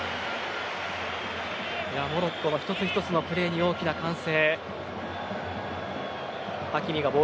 モロッコの１つ１つのプレーに大きな歓声。